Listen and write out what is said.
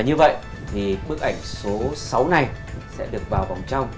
như vậy thì bức ảnh số sáu này sẽ được vào vòng trong